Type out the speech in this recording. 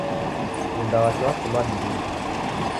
Punda wake wasilwa ni ndighi